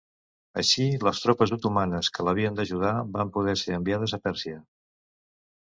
Així les tropes otomanes que l'havien d'ajudar van poder ser enviades a Pèrsia.